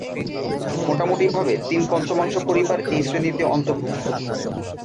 মোটামুটিভাবে তিন-পঞ্চমাংশ পরিবার এই শ্রেণীতে অর্ন্তভুক্ত।